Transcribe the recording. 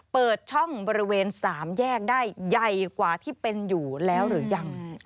เปิดช่องบริเวณ๓แยกได้ใหญ่กว่าที่เป็นอยู่แล้วหรือยัง